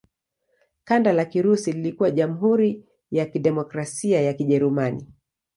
Kanda la Kirusi lilikuwa Jamhuri ya Kidemokrasia ya Kijerumani.